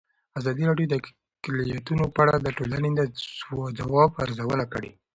ازادي راډیو د اقلیتونه په اړه د ټولنې د ځواب ارزونه کړې.